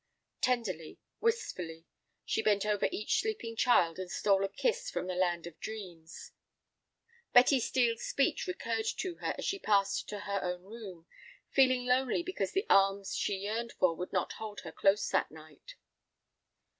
Tenderly, wistfully, she bent over each sleeping child, and stole a kiss from the land of dreams. Betty Steel's speech recurred to her as she passed to her own room, feeling lonely because the arms she yearned for would not hold her close that night.